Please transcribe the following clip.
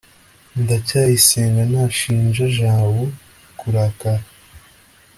ndacyayisenga ntashinja jabo kurakara